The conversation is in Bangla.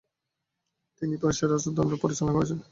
তিনি প্রাশিয়ার রাজদণ্ড পরিচালনা করছেন।